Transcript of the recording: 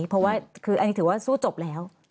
เพราะว่าคืออันนี้ถือว่าสู้จบแล้ว